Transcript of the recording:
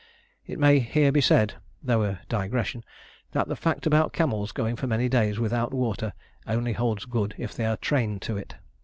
It may here be said, though a digression, that the fact about camels going for many days without water only holds good if they are trained to it.